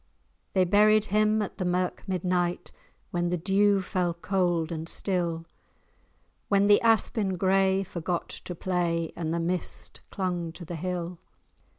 They buried him at the mirk midnight, When the dew fell cold and still, When the aspin gray forgot to play, And the mist clung to the hill.